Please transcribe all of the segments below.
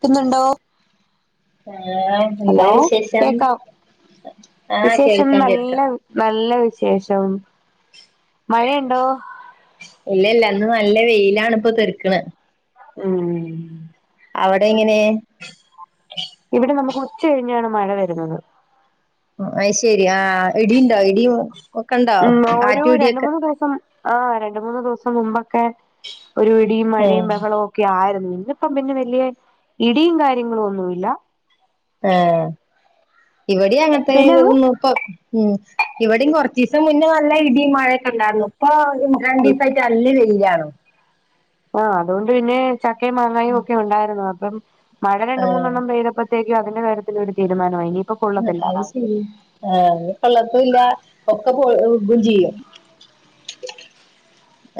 കിട്ടുന്നുണ്ടോ ആഹ് എന്താ ഹലോ വിശേഷം കേക്കാ ആഹ് വിശേഷം കേൾക്കാം നല്ല കേൾക്കാം നല്ല വിശേഷം മഴയുണ്ടോ ഇല്ലില്ല ഇന്ന് നല്ല വെയിലാണ് ഇപ്പൊ തെര്ക്കണെ ഉം അവിടെ എങ്ങനെ ഇവിടെ നമുക്ക് ഉച്ച കഴിഞ്ഞാണ് മഴ വരുന്നത് ഒ അയിശരി ആഹ് ഇടിയിണ്ടാ ഇടിവും ഉം ഒരു രണ്ട് മൂന്ന് ദിവസം ആ രണ്ട് മൂന്ന് ദിവസം മുമ്പൊക്കെ ഒരു ഇടിയും ഉം മഴയും ബഹളവും ഒക്കെ ആരുന്നു ഇന്തിപ്പം പിന്നെ വലിയെ ഇടിയും കാര്യങ്ങളൊന്നുല്ല ആഹ് ഇവിടെ അങ്ങനെത്തെ പിന്നെ അത് വെരുന്നു ഇപ്പൊ ഉം ഇവിടയും കൊറച്ചീസം മുന്നേ നല്ല ഇടി മഴക്കെ ഉണ്ടാരുന്നു ഇപ്പൊ രണ്ടീസം ആയിട്ട് നല്ല വെല്യാണോ ആഹ് അതുകൊണ്ട് പിന്നെ ചക്കയും മാങ്ങായും ഒക്കെ ഉണ്ടാരുന്നു അപ്പം മഴ രണ്ട് ആഹ് മൂന്നെണ്ണം പെയ്തപ്പോ ത്തെക്കും അതിന്റെ കാര്യത്തിൽ ഒരു തീരുമാനമായി ഇനി അയിശരി ആ കൊള്ളത്തുഇല്ല ഒക്കെ പോകു കും ചെയ്യും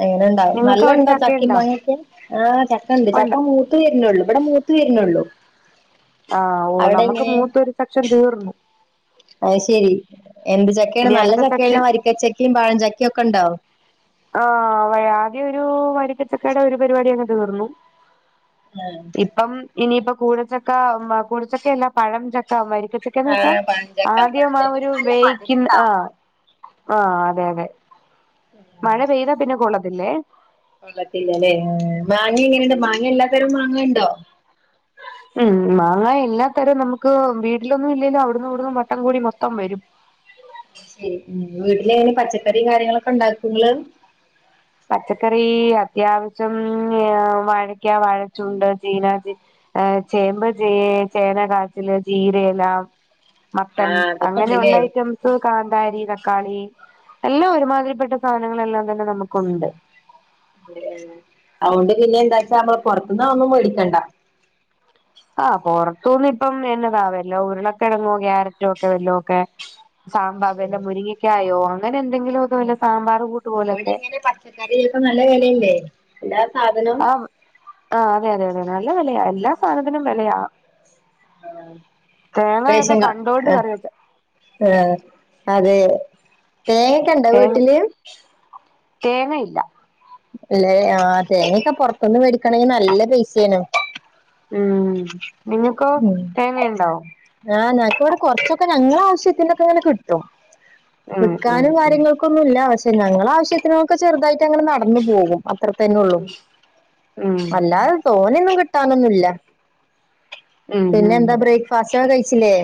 അങ്ങനെ ഉണ്ടാവും നല്ല നിങ്ങൾക്ക് അവിടെ ഇണ്ടോ ചക്കിം ചക്കയുണ്ടോ മാങ്ങൊക്കെ ആഹ് ചക്ക ഉണ്ട് ഉണ്ടോ ചക്ക മൂ മൂത്ത് വരുന്നുള്ളൂ ഇവിടെ മൂത്ത് വരുന്നുള്ളൂ ആഹ് ഓ അവിടെ നമുക്ക് മൂത്ത് ഒരു സെക്ഷൻ തീർന്നു അയിശെരി എന്ത് ചക്കയാണ് ഇനി നല്ല അടുത്ത സെക്ഷൻ ചക്കെല്ലാം വരിക്കച്ചക്കയും പഴം ചക്കയും ഒക്കെ ഉണ്ടോ ആഹ് ആദ്യം ഒരു വരിക്കച്ചക്കയുടെ ഒരു പരിപാടി അങ്ങ് തീർന്നു ഇപ്പം ഇനിയിപ്പം കൂഴച്ചക്ക കൂഴച്ചക്കല്ല പഴം ചക്ക വരിക്കച്ചക്ക ക്കന്ന് വെച്ചാ ആഹ് പഴഞ്ചക്ക ആദ്യം ആഹ് പഴഞ്ചക്കക്ക് ഒരു നല്ല മധുരം വേയിക്കി ഉണ്ടാവും ആഹ് ആഹ് അതെ അതെ മഴ പെയ്താ പിന്നെ കൊള്ളതില്ലേ കൊള്ളത്തില്ലല്ലേ മാങ്ങ എങ്ങനെണ്ട് മാങ്ങ എല്ലാത്തരം മാങ്ങണ്ടോ ഉം മാങ്ങ എല്ലാത്തരം നമുക്ക് വീട്ടിലൊന്നും ഇല്ലെലും അവിടന്നു ഇവിടന്ന് വട്ടം കൂടി മൊത്തം വരും അയ് ശരി വീട്ടിലെ എങ്ങനെ പച്ചക്കറി കാര്യങ്ങളൊക്കെ ഉണ്ടാക്കൊങ്ങള് പച്ചക്കറി അത്യാവശ്യം വാഴക്ക വാഴച്ചുണ്ട് ചീന ചേ ഏ ചേമ്പ് ചേ ചേന കാച്ചില് ജീരയെല്ലാം മത്തൻ ആഹ് അതൊക്കെ അങ്ങനെയുള്ള ഉണ്ടല്ലേ ഐയിറ്റം കാന്താരി തക്കാളി എല്ലാം ഒരുമാതിരിപ്പെട്ട സാധനങ്ങളെല്ലാം തന്നെ നമുക്കുണ്ട് അതൊണ്ട് പിന്നെ എന്താച്ചാ നമ്മള് പുറത്തന്നതൊന്നും മേടിക്കണ്ട ആഹ് പൊറത്തു നിന്ന് ഇപ്പം എന്നതാ വല്ലോ ഉരുളക്കെഴങ്ങോ ക്യാരറ്റോ ഒക്കെ വല്ലോ ഒക്കെ സാമ്പാർ വല്ല മുരിങ്ങക്കായയോ അങ്ങനെ എന്തെങ്കിലുക്കെ വല്ല സാമ്പാർ കൂട്ട് പോലെയൊക്കെ അരിയൊക്കെ നല്ല വിലയല്ലേ എല്ലാ സാധനം ആഹ് ആഹ് അതെ അതെ അതെ നല്ല വിലയാ എല്ലാ സാധനത്തിനും വിലയാ തേങ്ങൊക്കെ കണ്ടോണ്ട് കറിവെക്കാം ആഹ് അതെയോ തേങ്ങൊക്കെണ്ടോ തേങ്ങ വീട്ടില് തേങ്ങയില്ല അല്ലെ ആഹ് തേങ്ങക്ക പുറത്തന്ന് മേടിക്കണെങ്കിൽ നല്ല പൈസയാണ് ഉം നിങ്ങക്കോ തേങ്ങണ്ടോ ആഹ് ഞനക്ക് ഇവിടെ കൊറച്ചൊക്കെ ഞങ്ങളുടെ ആവശ്യത്തിനൊക്കെ ഇങ്ങനെ കിട്ടും ഉം ഉം വിൽക്കാനും ഉം കാര്യങ്ങൾക്കന്നുംല്ല പക്ഷെ ഞങ്ങളൾ ആവശ്യത്തിനൊക്കെ ചെറുതായിട്ട് അങ്ങനെ നടന്നു പോകും അത്ര തന്നെ ഉള്ളു ഉം അല്ലാതെ തോനൊന്നും കിട്ടാനൊന്നുല്ല ഉം പിന്നെ ഉം എന്താ ബ്രേക്ക്ഫാസ്റ്റ കഴിച്ചില്ലേ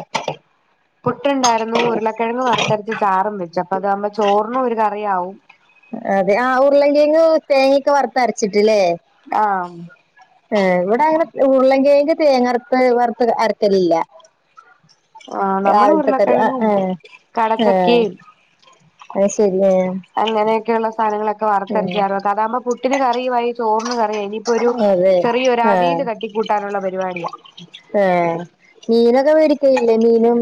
പുട്ടുണ്ടായിരുന്നു ഉരുളക്കിഴങ്ങ് വറുത്തരച്ച് ചാറും വെച്ച് അപ്പ അതാവുമ്പോ ചോറിനും ഒരു കറിയാവും ആഹ് അതെ ആഹ് ഉരുളങ്കിയങ്ങ് തേങ്ങക്കെ വറുത്ത അരച്ചിട്ടില്ലേ ആം ആഹ് ഇവിടെ അങ്ങനെ ഉരുളംക്കിഴങ് തേങ്ങരത്ത് വറുത്ത് അരക്കലില്ല ആഹ് നമ്മള് രാവിലത്തെക്കറി ഉരുളക്കിഴങ്ങും ആഹ്ഹ് ആഹ് കടച്ചക്കയും അത് ശരിയ അങ്ങനെയൊക്കെയുള്ള സാധനങ്ങളൊക്കെ വറത്തെരച്ച് കറിവേക്ക അതാകുമ്പോ പുട്ടിന് കറി ആയി ചോറിന് കറി ആയി ഒരു അതെ ചെറിയൊരവിയൽ തട്ടിക്കൂട്ടാനുള്ള പരിപാടിയാ ആഹ് മീനൊക്കെ മേടിക്കല്ലേ മീനും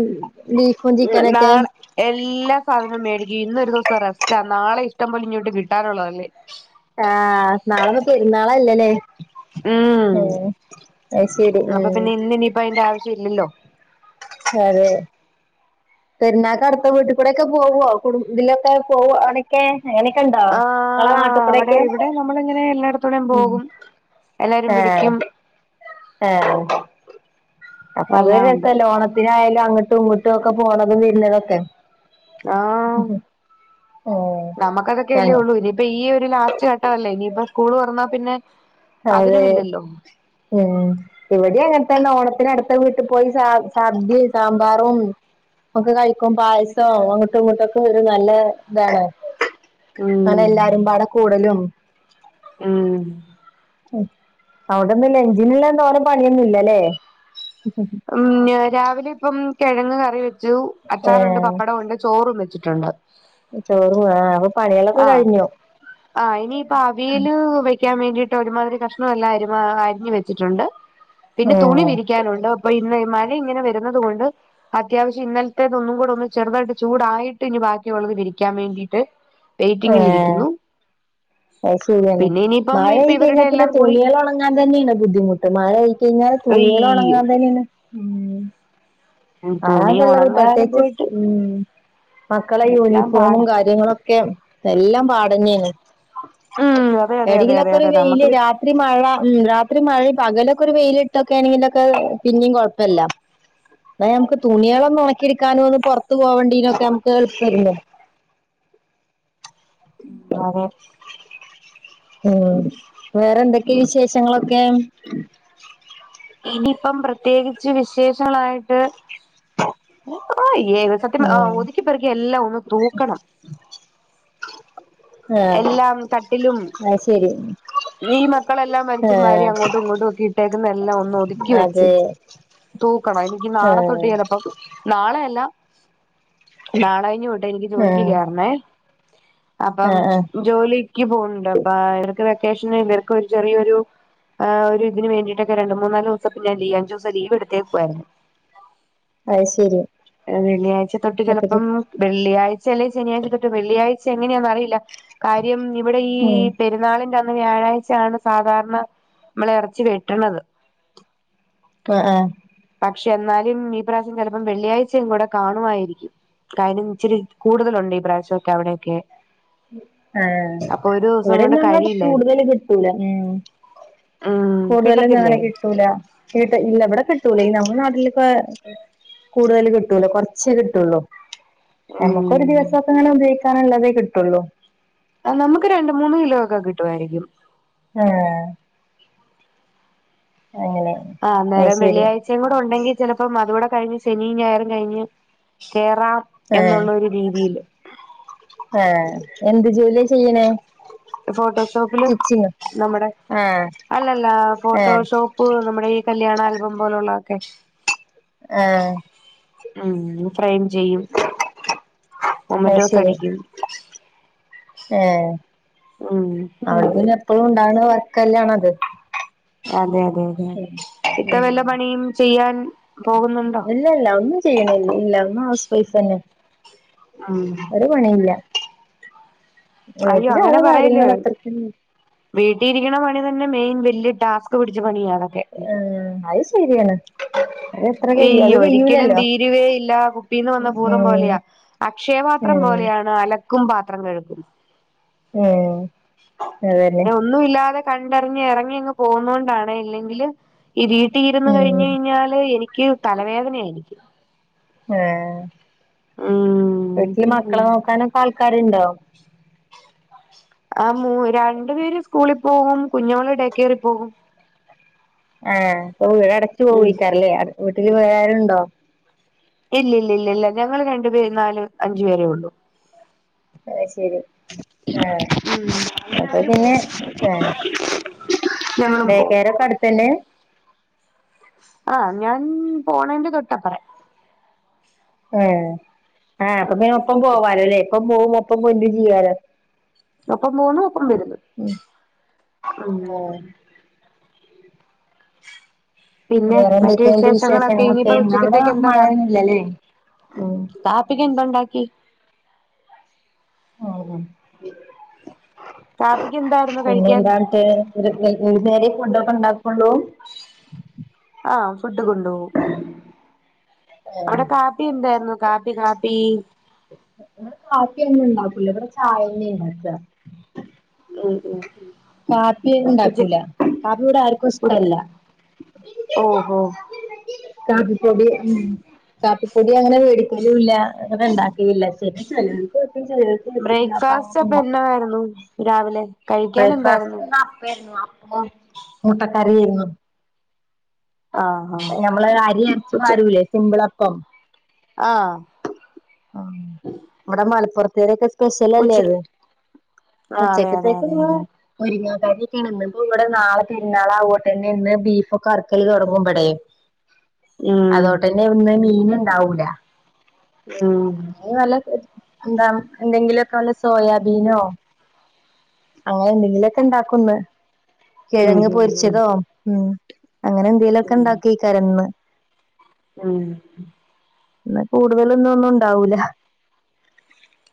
ബീഫും ഉം ചിക്കനൊക്കെ നാളെ എല്ലാ സാധനവും മേടിക്കും ഇന്നൊരു ദിവസം റെസ്റ്റാ നാളെ ഇഷ്ടം പോല ഇങ്ങോട്ട് കിട്ടാനുള്ളതല്ലേ ആഹ് നാളന്ന പെരുന്നാളല്ലല്ലേ ഉം അത് ശരി ഉം ഇനിപ്പ അതിന്റെ ആവശ്യം ഇല്ലല്ലോ അതേ പെരുന്നാക്ക് അടുത്ത വീട്ടി കൂടെ ഒക്കെ പോവോ ഇതിലൊക്കെ പോവവാണൊക്കെ ആഹ് അവിടെ ഇവിടെ നമ്മള ഇങ്ങനെ എല്ലായിടത്തുടെയും ഉം പോകും എല്ലാരും വിളിക്കും ആഹ് അപ്പൊ അത് എല്ലാം ഒരു ഉണ്ട് രസല്ലേ ഓണ ത്തിനായാലും അങ്ങോട്ടും ഇങ്ങോട്ടും ഒക്കെ പോണതും വരുന്നതൊക്കെ ആഹ് ഉം ഞങ്ങ നമക്കതൊക്കല്ലേ ഉള്ളൂ ഇനി ഇപ്പൊ ഈ ഒരു ലാസ്റ്റ് ഘട്ടംല്ലേ ഇനിയിപ്പ സ്കൂൾ തുറന്നാ പിന്നെ അതെ അതിനുമില്ലല്ലോ ഉം ഇവിടെ അങ്ങൻത്തെ തന്നെ ഓണത്തിന് അടുത്ത വീട്ടിൽ പോയി സ സദ്യ സാമ്പാറും ഒക്കേ കഴിക്കും പായസം അങ്ങോട്ടും ഇങ്ങോട്ടൊക്കെ ഒരു നല്ല ഇതാണ് അങ്ങനെ ഉം എല്ലാരും പാടെ കൂടലും ഉം അവിടെ ഇന്ന് ലഞ്ചിന്ള്ള തോനെ പണിയൊന്നും ഇല്ലല്ലേ ഉം രാവിലെ ഇപ്പം കിഴങ്ങ് കറി വെച്ചു അച്ചാറുണ്ട്, ഏഹ് പപ്പടണ്ട് ചോറും വെച്ചിട്ടുണ്ട് ചോറും ആഹ് അപ്പൊ പണികളൊക്കെ കഴിഞ്ഞു ആഹ് ഇനിയിപ്പോ അവിയല് വെക്കാൻ വേണ്ടിയിട്ട് ഒരുമാതിരി കഷ്ണല്ലാം അരിഞ്ഞു വെച്ചിട്ടുണ്ട് [inaudible] പിന്നെ തുണി വിരിക്കാനുണ്ട് അപ്പൊ ഇന്ന് മഴ ഇങ്ങനെ വരുന്നുന്നത് കൊണ്ട് അത്യാവശ്യം ഇന്നലത്തേത് ഒന്നും കൂടെ ഒന്ന് ചെറുതായിട്ട് ചൂടായിട്ട് ഇനി ബാക്കിയ ഉള്ളത് വിരിക്കാൻ വേണ്ടിയിട്ട് ഇങ്ങനെ ഏഹ് ഇരിക്കുന്നു അത് ശരിയാണ് മഴ ഇപ്പൊ ആയി ഇവരുടെ കഴിഞ്ഞാൽ പിന്നെ എല്ലാം കൂടി തുണികൾ ഉണങ്ങാൻ തന്നെയാണ് ബുദ്ധിമുട്ട് മഴ ആയി കഴിഞ്ഞാൽ ഈ തുണികൾ ഉണങ്ങാൻ തന്നെയാണ് ഉം തുണി ഉണങ്ങാനും [unintelligible] പോയിട്ട് [unintelligible] ഉം മക്കളെ എല്ലാം യൂണിഫോമും പാടാ കാര്യങ്ങളൊക്കെ എല്ലാം പാടന്നെയാണ് ഉം അതെ അതെ അതെ അതെ എടിലൊക്കെ ഒരു അതെ വെയില് നമുക്ക് രാത് രാത്രി മഴ ഉ രാത്രി മഴ പകലൊക്കെ ഒരു വെയിലിട്ടൊക്കെ ആണെങ്കിലൊക്കെ പിന്നെയും കൊഴപ്പല്ല എന്നാ നമുക്ക് തുണിയാളെ ഒന്ന് ഒണക്കിട്ക്കാനും ഒന്ന് പോറത്ത് പോവേണ്ടീനും ഒക്കെ നമുക്ക് എളുപ്പല്ലേ? ഉംഅതെ ഉം വേറെ എന്തൊക്കെ വിശേഷങ്ങളൊക്കെ? ഇന്നിയിപ്പം പ്രത്യേകിച്ച് വിശേഷങ്ങളായിട്ട് ഒന്നും ഇല്ലേര്ന്ന് സത്യം ഉം ഒതുക്കി പെറുകി എല്ലാം ഒന്ന് തൂക്കണം. ആഹ് എല്ലാം തട്ടിലും അത് ശരി ഈ മക്കളെല്ലാം വലിച്ചു വാരി ആഹ് അങ്ങോട്ടും ഇങ്ങോട്ടും ഒക്കെ ഇട്ടേക്കുന്ന എല്ലാം ഒന്ന് ഒതുക്കി വെച്ച് അതെ തൂക്കണം എനിക്ക് നാളെത്തൊട്ട് ആഹ് ചെലപ്പം നാളെയല്ല നാളെ കഴിഞ്ഞു വിട്ടെ എനിക്ക് ജോലിക്ക് ആഹ് കേറണേ അപ്പം ആഹ് ആഹ് ജോലിക്ക് പോവ്ണ്ട് അപ്പ ഇവർക്ക് വെക്കേഷന് ഇവർക്ക് ഒരു ചെറിയൊരു ആ ഒരു ഇന് വേണ്ടിട്ട ഒക്കെ രണ്ട് മൂന്ന്നാല് ദിവസ ലീവ് അഞ്ച് ദിവസം ലീവ് എടുത്തേക്കുയിരുന്നു. അയ്ശരി വെള്ളിയാഴ്ച തൊട്ട് ചെലപ്പം വെള്ളിയാഴ്ച അല്ലെ ശനിയാഴ്ച തൊട്ട് വെള്ളിയാഴ്ച എങ്ങനെയാണന്ന് അറിയില്ല കാര്യം ഇവിടെ ഈ ഉം പെ പിറന്നാളിന്റെ അന്ന് വ്യാഴാഴ്ചയാണ് സാധാരണ നമ്മൾ ഇറച്ചി വെട്ടണത് - - ആഹ് ആഹ് പക്ഷെ എന്നാലും ഈ പ്രാവശ്യം ചെലപ്പം വെള്ളിയാഴ്ചയും കൂടെ കാണുവായിരിക്കും കാര്യം ഇച്ചിരി കൂടുതലുണ്ട് ഈ പ്രാവശ്യക്കെ അവിടെയൊക്കെ ആഹ് അപ്പൊ ഒരു ദിവസം കൊണ്ട് ഇവിടെന്നും അങ്ങനെ കഴിയില്ലായിരിക്കും കൂടുതല് കിട്ടൂല ഉം കൂടുതലും കിട്ടത്തില്ലേ അങ്ങനെ കിട്ടൂല കേട്ട ഇല്ല എവിടെ കിട്ടൂല. ഇനി നമ്മടെ നാട്ടിലിപ്പൊ കൂടുതല് കിട്ടൂല, കൊറച്ചെ കിട്ടുള്ളൂ നമുക്ക് ഒരു ഉം ദിവസൊക്കെ ഇങ്ങനെ ഉപയോഗിക്കാനുള്ളതേ കിട്ടുള്ളൂ ആഹ് നമുക്ക് രണ്ട് മൂന്ന് കിലോ ഒക്കെ കിട്ടുവായിരിക്കും ആഹ് അങ്ങനെ ആഹ് അത് അന്നേരം ശരി വെള്ളിയാ ഴ്ചയും കൂടെ ഒണ്ടെങ്കി ചെലപ്പോം അതൂടെ കഴിഞ്ഞ് ശനിയും ഞായറും കഴിഞ്ഞ് കേറാം ആഹ് എന്നുള്ളൊരു രീതിയില് ആഹ് എന്ത് ജോലിയാ ചെയ്യണേ? ഫോട്ടോഷോപ്പില് സ്റ്റിച്ചിങ് നമ്മടെ ആഹ് അല്ലല്ല ആഹ് ഫോട്ടോഷോപ്പ് പ്പ് നമ്മടെ ഈ കല്യാണ ആൽബം പോലുള്ളതൊക്കെ ആഹ് ഉം ഫ്രൈയും ചെയ്യും, മൊമൻ്റോസ് അടിക്കും ഏഹ് ഉം [unintelligible] പിന്നെ എപ്പൊഴും ഉണ്ടാവുന്ന വർക്കല്ലാണോ അത് അതെ അതെ അതെ അതെ. ഇത്ത വല്ല പണിയും ചെയ്യാൻ പോകുന്നുണ്ടോ? ഇല്ലല്ല ഒന്നും ചെയ്യണില്ല, ഒന്ന് ഹൗസ് വൈഫ് തന്നെ, ഉം ഒരു പണിയും ഇല്ല. അയ്യോ അങ്ങനെ ഓരോ പറയല്ല് കാര്യങ്ങൾ അത്രക്കും വീട്ടിൽ ഇരിക്കണ പണി തന്നെ മെയിൻ വല്യ ടാസ്ക് പിടിച്ച പണിയാ അതൊക്കെ. ആഹ് അയ് ശരിയാണ്. അതെത്ര കയ്യും അത് അയ്യോ ഒരിക്കലും കയ്യൂലല്ലോ തീരുവേ ഇല്ല, കുപ്പീന്ന് വന്ന ഭൂതം ഉം പോലെയാ അക്ഷയപാത്രം ഉം പോലെയാണ് അലക്കും പാത്രം കഴുക ഉം അതന്നെ ഒന്നുമില്ലാതെ കണ്ടറിഞ്ഞ് എറങ്ങി ഇങ്ങ് പോന്നോണ്ടാണ് ഇല്ലെങ്കില് ഈ വീട്ടിൽ ഇരുന്ന് കഴിഞ്ഞ് ഉം കഴിഞ്ഞാല് എനിക്ക് തലവേദനയായിരിക്കും ആഹ് ഉം വീട്ടില് ഉം മക്കളെ നോക്കാനൊക്കെ ആൾക്കാരുണ്ടോ? ആഹ് മൂ രണ്ടു പേര് സ്കൂളിൽ പോകും, കുഞ്ഞുമോള് ഡേ കെയറിൽ പോകും. ആഹ് അപ്പൊ വീട് അടച്ചു ഉം [unintelligible] അല്ലേ. വീട്ടില് വേറാരുണ്ടോ ഇല്ലില്ലില്ലില്ല, ഞങ്ങള് രണ്ടു പേരും നാല് അഞ്ചു പേരേ ഉള്ളു അത് ശെരി ആഹ് അപ്പൊ പിന്നെ ആഹ് ഞങ്ങളും ഡേ പോവും കെയറൊക്കെ അടുത്തന്നെ? ആഹ് ഞാൻ പോണേന്റെ തൊട്ടപ്പറേ ആഹ് ആഹ് അപ്പൊ പിന്നെ ഒപ്പം പോവാലോല്ലേ, ഒപ്പം പോവേം ഒപ്പം വര്കയും ചെയ്യാലോ ഒപ്പം പോണു, ഒപ്പം വരുന്നു. ഉം ഉം ആഹ് പിന്നെ വേറെ മറ്റു എന്തൊക്കെയുണ്ട് വിശേഷങ്ങളൊക്കെ ഇനിയിപ്പോ ഇന്നവിടെ ഉച്ചക്കത്തേക്കെന്താ കറി? മഴയൊന്നുല്ലല്ലേ ഉം കാപ്പി പ്പിക്ക് എന്തുണ്ടാക്കി? ആഹ് കാപ്പിക്ക് എന്തായിരുന്നു പിന്നെ കഴിക്കാൻ എന്താ [unintelligible] ഒരു നേരെ ഫുഡ് ഒക്കെ ഉണ്ടാക്കൊള്ളൂ? ആഹ് ഫുഡ് കൊണ്ടു പോവും. ഏഹ് അവിടെ കാ പ്പി എന്തായിരുന്നു കാപ്പി കാപ്പി കാപ്പി ഒന്നും ഉണ്ടാക്കൂല, ഇവിടെ ചായ തന്നെ ഉണ്ടാക്കുക ഉം ഉം ഉം കാപ്പി ഉണ്ടാക്കൂല, കാപ്പി ഇവിടെ ആർക്കും ഉച് ഇഷ്ടല്ല ഓഹോ കാപ്പിപ്പൊടി ഉം കാപ്പിപ്പൊടി അങ്ങനെ വേടിക്കലും ഇല്ല, അങ്ങനെ ഉണ്ടാക്കലുല്ല. പിന്നെ ചെലോർക്ക് പറ്റും ചെലോർ ബ്രേക്ക്ഫാസ്റ്റ് അപ്പൊ എന്നാരുന്നു രാവിലെ കഴിക്കാൻ ബ്രേക്ക്ഫാസ്റ്റ് എന്തായിരുന്നു ഇന്ന് അപ്പേര്ന്നു അപ്പും മുട്ടക്കറിയേര്ന്നു ആഹ് ആഹ് നമ്മള് അരി അരച്ചു ഉച്ച പരൂലേ സിംമ്പിള് അപ്പം ആഹ് ആഹ് ഇവടെ മലപ്പുറത്തേരോകേ സ് ഉച്ച സ്പെഷലല്ലേ അത് ആ അതെ അതെ ഉച്ചക്കത്തേക്ക് അതെ ഇന്ന് അതെ മുരിങ്ങാക്കറിക്കേണ് ഇന്ന് ഇപ്പം ഇവടെ നാളെ പെരുന്നാളാവോണ്ടന്നെ ഇന്ന് ബീഫൊക്കെ അറക്കൽ തൊങ്ങുംബടേ ഉം അതോട്ടന്നെ ഇന്ന് മീൻ ഇണ്ടാവൂല ഉം അത് നല്ല എന്താണ് എന്തെങ്കിലൊക്കെ വല്ല സോയാബീനോ അങ്ങനെ എന്തെങ്കിലൊക്കെ ഇണ്ടാക്കുന്ന് ഉം കിഴങ്ങ് ഉം ഉം പൊരിച്ചതോ ഉം അങ്ങനെ എന്തേലൊക്കെ ഉം ഇണ്ടാകൈകാരന്ന് ഉം ന്ന് കൂടുതലൊന്നും ഒന്നും ഉണ്ടാവൂല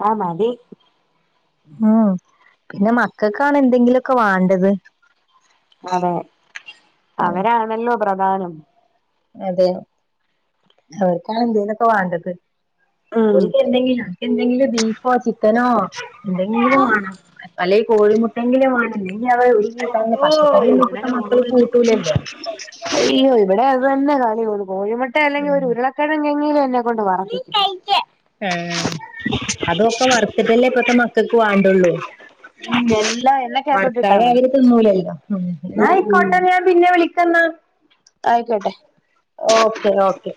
ആ മതി ഉം പിന്നെ മക്കക്കാണ് എന്തെങ്കിലൊക്കെ വാണ്ടത് അതെ ഉം അവരാണല്ലോ പ്രധാനം അതെ അവർക്കാണ് എന്തേലൊക്കെ വാണ്ടത് ഉം ഓൽക്ക് എന്തെങ്കിലും എന്തെങ്കിലും ബീഫോ ചിക്കനോ എന്തെങ്കിലും വാണം അല്ലെ കോഴിമുട്ടെങ്കിലും വാ ഇല്ലങ്കി അവ ഒരു കൂട്ടാന്ന് പച്ചക്കറി ഒന്നും ഇപ്പത്ത മക്കള് കൂട്ടൂലല്ലോ അയ്യോ ഇവിടെ അതന്നെ കാണിക്കു കോഴിമുട്ട അല്ലെങ്കിൽ ഉം ഒരു ഉരുള കെഴങ്ങങ്ങിലും എന്നെ കൊണ്ട് വറ പ്പിക്കും ഏഹ് അതൊക്കെ വർത്ത്ട്ടല്ലേ ഇപ്പത്ത മക്കക്ക് വാണ്ടൊള്ളൂ ഉം എല്ലാം എണ്ണക്കകത്തോട്ട് ഇട്ടാ മതി വർത്താലവര് തിന്നൂലല്ലോ ഉം ഉം ന്നായിക്കോട്ടെ ഞാൻ പിന്നെ വിളിക്കന്നാ ആയിക്കോട്ടെ ഓക്കെ ഓക്കെ